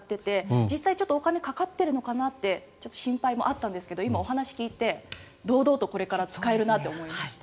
実際、お金がかかっているのかなって心配もあったんですけど今、お話を聞いて堂々とこれから使えるなと思いました。